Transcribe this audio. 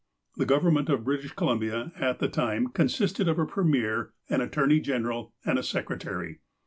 The Government of British Columbia, at the time, consisted of a premier, an attorney general, and a secretary.